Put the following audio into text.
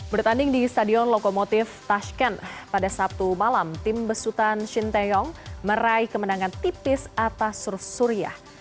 bertanding di stadion lokomotif tashkent pada sabtu malam tim besutan shinteyong meraih kemenangan tipis atas suria